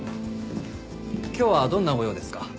今日はどんなご用ですか？